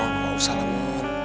gak usah lama